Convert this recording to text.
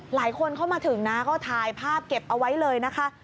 หลายคนเข้ามาถึงนะก็ถ่ายภาพเก็บเอาไว้เลยนะคะ